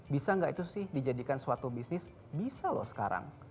bisa nggak itu sih dijadikan suatu bisnis bisa loh sekarang